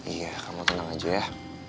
iya kamu tenang aja ya